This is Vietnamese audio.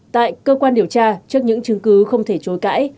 tại cơ quan điều tra trước những chứng cứ không thể chối cãi